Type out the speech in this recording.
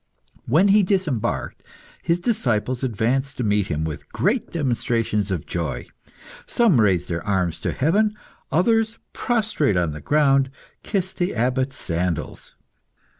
When he disembarked, his disciples advanced to meet him with great demonstrations of joy. Some raised their arms to heaven; others, prostrate on the ground, kissed the Abbot's sandals.